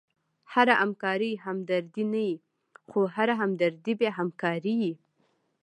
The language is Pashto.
هره همکاري همدردي نه يي؛ خو هره همدردي بیا همکاري يي.